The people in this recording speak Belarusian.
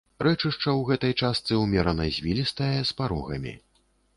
Рэчышча ў гэтай частцы ўмерана звілістае, з парогамі.